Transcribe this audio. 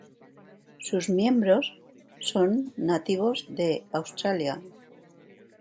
Sus miembros son nativos de Australia.